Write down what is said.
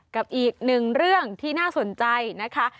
กับอีกหนึ่งเรื่องที่น่าสนใจนะคะ